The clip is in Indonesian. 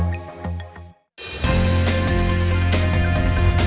residen meremo bapak